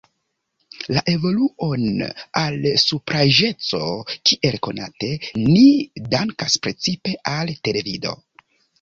La evoluon al supraĵeco, kiel konate, ni dankas precipe al televido.